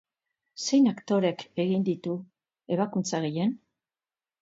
Zein aktorek egin ditu ebakuntza gehien?